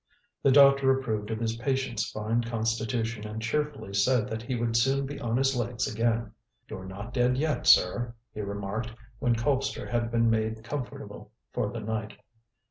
The doctor approved of his patient's fine constitution and cheerfully said that he would soon be on his legs again. "You're not dead yet, sir," he remarked, when Colpster had been made comfortable for the night.